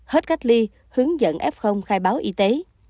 hết cách ly hướng dẫn f khai báo y tế